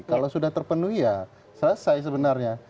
kalau sudah terpenuhi ya selesai sebenarnya